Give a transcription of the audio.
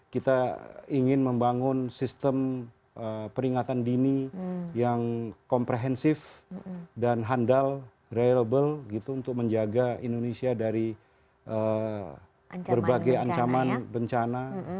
kita ingin membangun sistem peringatan dini yang komprehensif dan handal reliable untuk menjaga indonesia dari berbagai ancaman bencana